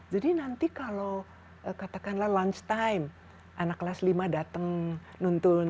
jadi nanti kalau katakanlah lunch time anak kelas lima dateng nuntun